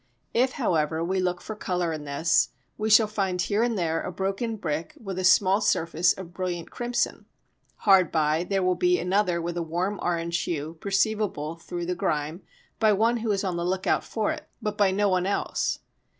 If, however, we look for colour in this, we shall find here and there a broken brick with a small surface of brilliant crimson, hard by there will be another with a warm orange hue perceivable through the grime by one who is on the look out for it, but by no one else.